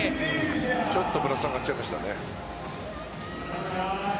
ちょっとぶら下がっちゃいました。